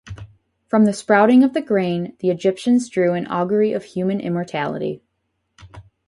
From the sprouting of the grain the Egyptians drew an augury of human immortality.